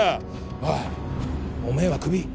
おいおめぇはクビ。